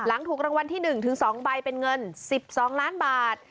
หลังถูกรางวัลที่หนึ่งถึง๒ใบเป็นเงิน๑๒ล้านบาท